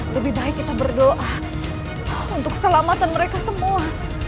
lebih baik kita berdoa untuk keselamatan mereka semua